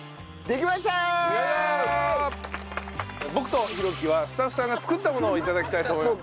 僕とヒロキはスタッフさんが作ったものを頂きたいと思います。